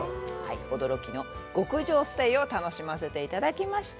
驚きの極上ステイを楽しませていただきました。